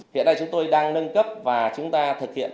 hiện nay chúng tôi đang nâng cấp và chúng ta thực hiện